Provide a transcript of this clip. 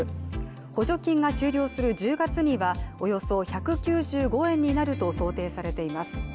補助金が終了する１０月にはおよそ１９５円になると想定されています。